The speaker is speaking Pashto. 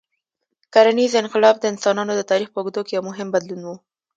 کرنيز انقلاب د انسانانو د تاریخ په اوږدو کې یو مهم بدلون و.